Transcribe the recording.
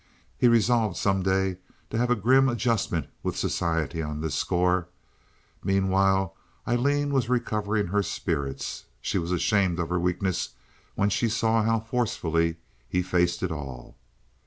He resolved some day to have a grim adjustment with society on this score. Meanwhile Aileen was recovering her spirits. She was ashamed of her weakness when she saw how forcefully he faced it all.